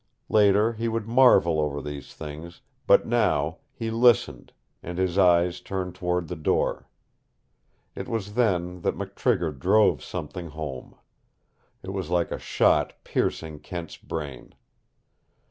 Later he would marvel over these things, but now he listened, and his eyes turned toward the door. It was then that McTrigger drove something home. It was like a shot piercing Kent's brain.